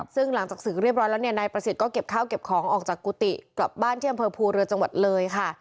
ซึ่งหลังจากศึกเรียบร้อยแล้วเนี่ยนายประสิทธิ์ก็เก็บข้าวเก็บของออกจากกุฏิกลับบ้านที่อำเภอภูเรือจังหวัดเลยค่ะ